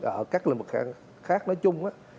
ở các lĩnh vực khác nói chung